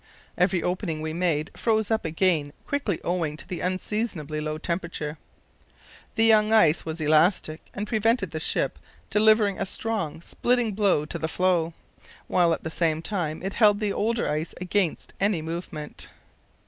Every opening we made froze up again quickly owing to the unseasonably low temperature. The young ice was elastic and prevented the ship delivering a strong, splitting blow to the floe, while at the same time it held the older ice against any movement.